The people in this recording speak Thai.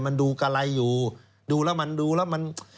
มันดูกะไรอยู่ดูแล้วมันดูแล้วมัน